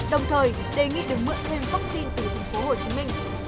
đồng thời đề nghị được mượn thêm vaccine từ tp hcm